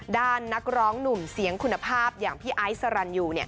นักร้องหนุ่มเสียงคุณภาพอย่างพี่ไอซ์สรรยู